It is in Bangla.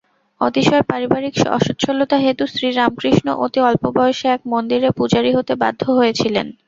অতিশয় পারিবারিক অসচ্ছলতা হেতু শ্রীরামকৃষ্ণ অতি অল্পবয়সে এক মন্দিরে পূজারী হতে বাধ্য হয়েছিলেন।